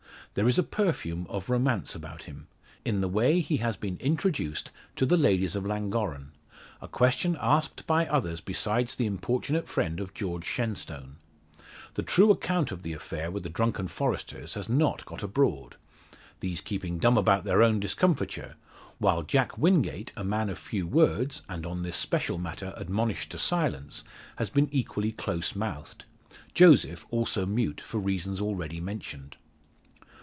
There is a perfume of romance about him; in the way he has been introduced to the ladies of Llangorren; a question asked by others besides the importunate friend of George Shenstone. The true account of the affair with the drunken foresters has not got abroad these keeping dumb about their own discomfiture; while Jack Wingate, a man of few words, and on this special matter admonished to silence, has been equally close mouthed; Joseph also mute for reasons already mentioned.